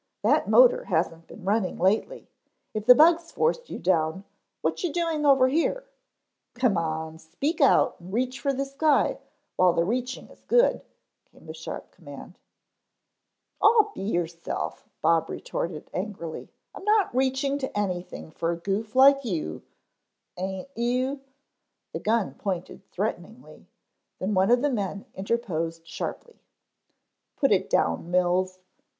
That motor hasn't been running lately. If the bugs forced you down, what you doing over here? Come on, speak out, and reach for the sky, while the reaching is good," came the sharp command. "Aw, be yourself," Bob retorted angrily. "I'm not reaching to anything for a goof like you " "Aint you " The gun pointed threateningly, then one of the men interposed sharply. "Put it down, Mills."